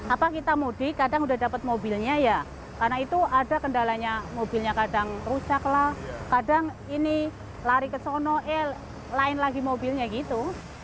apa kita mudik kadang udah dapet mobilnya ya karena itu ada kendalanya mobilnya kadang rusak lah kadang ini lari ke sana eh lain lagi mobilnya gitu